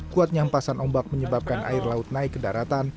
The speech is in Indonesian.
kuat nyampasan ombak menyebabkan air laut naik ke daratan